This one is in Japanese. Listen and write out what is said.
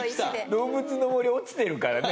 『どうぶつの森』落ちてるからね